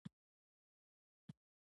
د دولچ په اړه مې زیات توضیحات ور نه کړل.